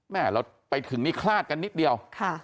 เราไปถึงนี่คลาดกันนิดเดียว